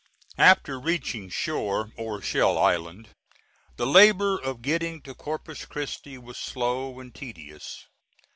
After reaching shore, or Shell Island, the labor of getting to Corpus Christi was slow and tedious.